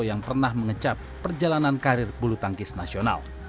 yang pernah mengecap perjalanan karir bulu tangkis nasional